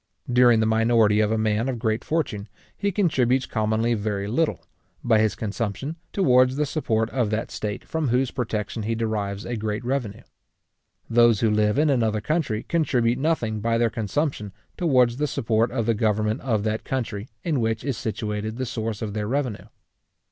During the minority of a man of great fortune, he contributes commonly very little, by his consumption, towards the support of that state from whose protection he derives a great revenue. Those who live in another country, contribute nothing by their consumption towards the support of the government of that country, in which is situated the source of their revenue.